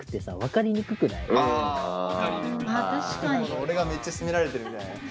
俺がめっちゃ責められてるみたいだね。